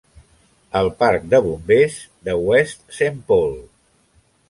El parc de bombers de West Saint Paul.